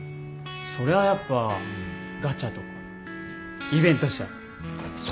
そりゃやっぱガチャとかイベントっしょ！